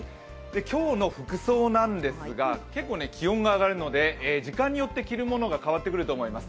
今日の服装なんですが結構気温が上がるので時間によって着るものが、変わってくると思います。